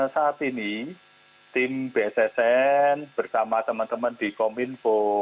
saat ini tim bssn bersama teman teman di kominfo